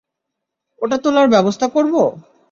ওটা তোলার ব্যবস্থা করব?